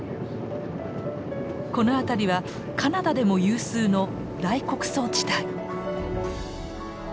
この辺りはカナダでも有数の大穀倉地帯。